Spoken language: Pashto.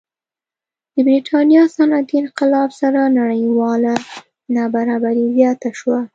د برېټانیا صنعتي انقلاب سره نړیواله نابرابري زیاته شوه.